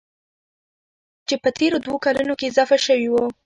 چې په تېرو دوو کلونو کې اضافه شوي وو.